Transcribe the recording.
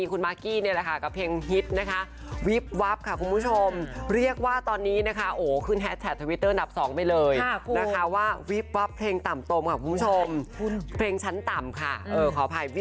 คุณป๊อกนะคะสามีคุณมากกี้